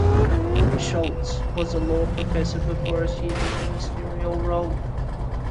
Scholz was a law professor before assuming ministerial role.